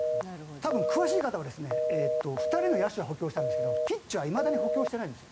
多分詳しい方は２人の野手を補強したんですけどピッチャーはいまだに補強してないんです。